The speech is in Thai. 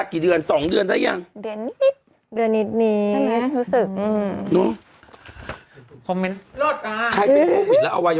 เห้ย